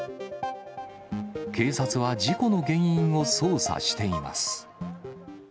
警察は事故の原因を捜査しています。